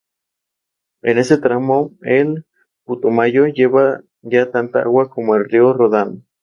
En todo el campo aparecen finas volutas onduladas, de aquí el nombre de serpiente.